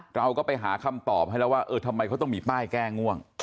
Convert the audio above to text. เราก็ไปหาคำตอบให้แล้วว่าเออทำไมเขาต้องมีป้ายแก้ง่วง